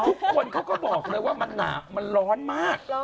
ทุกคนเขาก็บอกเลยว่ามันร้อนมาก